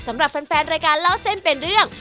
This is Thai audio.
สำหรับแฟนรายการเล่าเส้นเป็นเรื่อง